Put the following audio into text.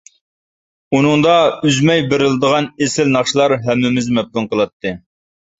ئۇنىڭدا ئۈزمەي بېرىلىدىغان ئېسىل ناخشىلار ھەممىمىزنى مەپتۇن قىلاتتى.